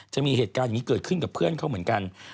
จะมีเหตุการณ์อย่างนี้เกิดขึ้นกับเพื่อนเขาเหมือนกัน